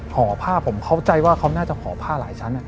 ห่อผ้าผมเข้าใจว่าเขาน่าจะห่อผ้าหลายชั้น